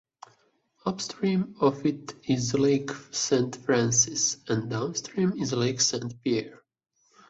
Upstream of it is Lake Saint Francis, and downstream is Lake Saint Pierre.